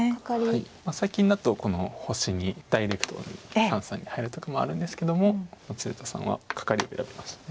最近だとこの星にダイレクトに三々に入る時もあるんですけども鶴田さんはカカリを選びました。